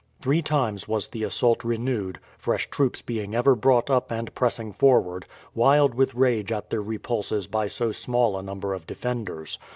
Three times was the assault renewed, fresh troops being ever brought up and pressing forward, wild with rage at their repulses by so small a number of defenders.